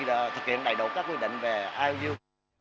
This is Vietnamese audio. là thực hiện đầy đủ các quy định về iuu